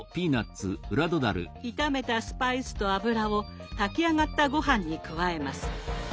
炒めたスパイスと油を炊き上がったごはんに加えます。